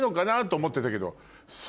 と思ってたけど。